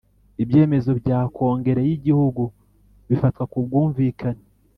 Ibyemezo bya Kongere y’Igihugu bifatwa ku bwumvikane